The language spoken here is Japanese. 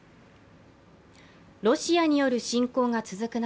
ロシアによる侵攻が続く中